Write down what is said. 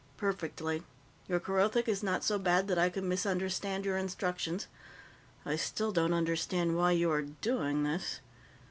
"Perfectly. Your Kerothic is not so bad that I could misunderstand your instructions. I still don't understand why you are doing this.